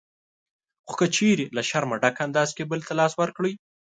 خو که چېرې له شرمه ډک انداز کې بل ته لاس ورکړئ